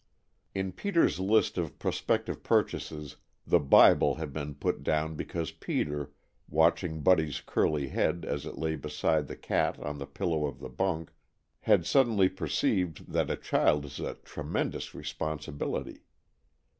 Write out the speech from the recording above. In Peter's list of prospective purchases the "Bibel" had been put down because Peter, watching Buddy's curly head as it lay beside the cat on the pillow of the bunk, had suddenly perceived that a child is a tremendous responsibility.